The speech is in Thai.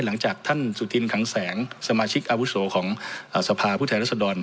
หลังจากท่านสุธินคังแสงสมาชิกอาวุโสของสภาพผู้แทนรัศดร